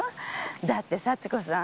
だって幸子さん